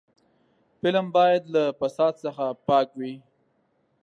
فلم باید له فساد څخه پاک وي